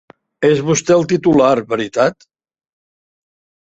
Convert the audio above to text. És vostè el titular, veritat?